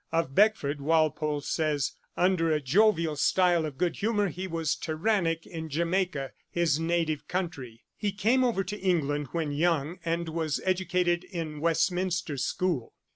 Of Beckford Walpole says: 'Under a jovial style of good humour he was tyrannic in Jamaica, his native country.' Ib. iv. 156. He came over to England when young and was educated in Westminster School. Stephens's Horne Tooke, ii.